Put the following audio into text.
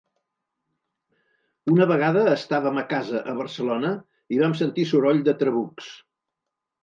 Una vegada estàvem a casa, a Barcelona, i vam sentir soroll de trabucs.